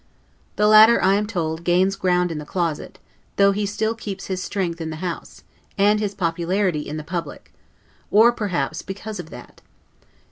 The latter, I am told, gains ground in the closet; though he still keeps his strength in the House, and his popularity in the public; or, perhaps, because of that.